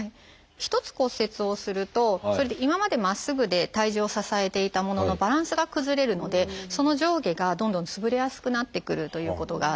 一つ骨折をすると今までまっすぐで体重を支えていたもののバランスが崩れるのでその上下がどんどんつぶれやすくなってくるということがあって。